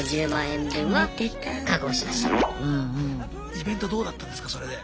イベントどうだったんですかそれで。